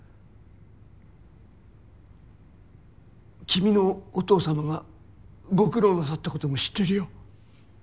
君のお父様がご苦労なさったことも知ってるよ。